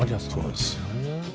そうなんですよ。